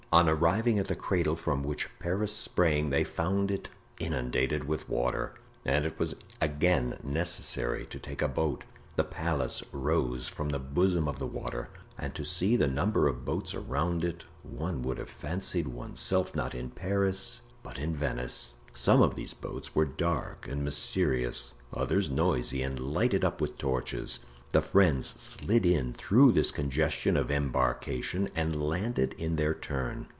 On arriving at the cradle from which Paris sprang they found it inundated with water, and it was again necessary to take a boat. The palace rose from the bosom of the water, and to see the number of boats around it one would have fancied one's self not in Paris, but in Venice. Some of these boats were dark and mysterious, others noisy and lighted up with torches. The friends slid in through this congestion of embarkation and landed in their turn.